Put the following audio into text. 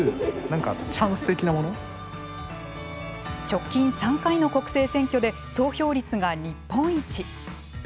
直近３回の国政選挙で投票率が日本一。